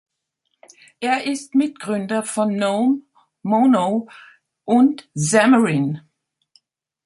Er ist Mitgründer von Gnome, Mono und Xamarin.